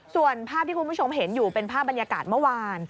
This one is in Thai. ส่วนภาพที่คุณผู้ชมเห็นอยู่เป็นภาพบรรยากาศเมื่อวาน